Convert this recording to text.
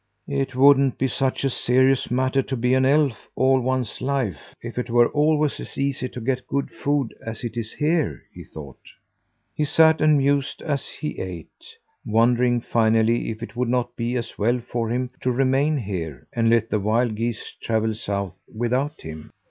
"It wouldn't be such a serious matter to be an elf all one's life if it were always as easy to get good food as it is here," he thought. He sat and mused as he ate, wondering finally if it would not be as well for him to remain here and let the wild geese travel south without him.